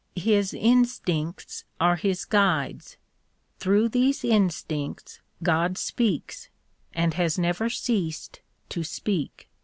His instincts are his guides; through these instincts God speaks and has never ceased to speak.